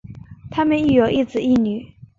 她们育有一子一女。